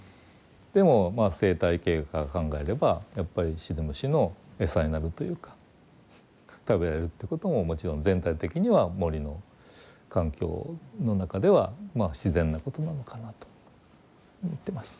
でもまあ生態系から考えればやっぱりシデムシの餌になるというか食べられるってことももちろん全体的には森の環境の中ではまあ自然なことなのかなと思ってます。